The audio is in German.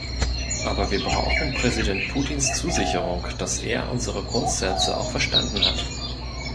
Aber wir brauchen Präsident Putins Zusicherung, dass er unsere Grundsätze auch verstanden hat.